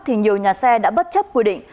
thì nhiều nhà xe đã bất chấp quy định